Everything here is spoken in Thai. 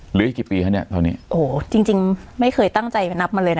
หลีกี่ปีครับเนี่ยเท่านี้โอ้จริงไม่เคยตั้งใจมานับมาเลยนะ